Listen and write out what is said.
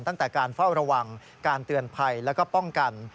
ตั้งแต่การเฝ้าระวังการเตือนภัยแล้วก็ป้องกัน